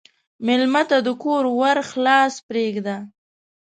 مېلمه ته د کور ور خلاص پرېږده.